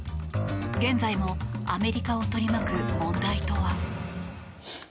現在もアメリカを取り巻く問題とは。